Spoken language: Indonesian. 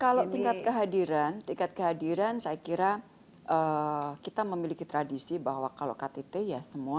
kalau tingkat kehadiran tingkat kehadiran saya kira kita memiliki tradisi bahwa kalau ktt ya semua